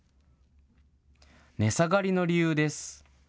値下がりの理由です。